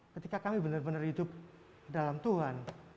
ketika kami benar benar hidup dalam tuhan